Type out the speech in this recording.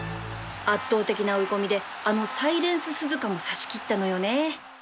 圧倒的な追い込みであのサイレンススズカも差しきったのよね